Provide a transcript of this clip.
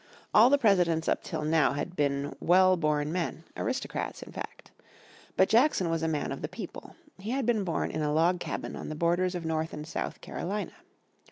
All the presidents up till now had been well born men, aristocrats, in fact. But Jackson was a man of the people. He had been born in a log cabin on the borders of North and South Carolina.